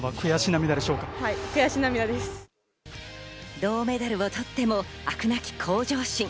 銅メダルを取っても飽くなき向上心。